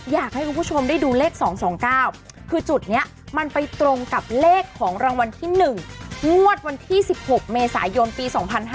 อยากให้คุณผู้ชมได้ดูเลข๒๒๙คือจุดนี้มันไปตรงกับเลขของรางวัลที่๑งวดวันที่๑๖เมษายนปี๒๕๕๙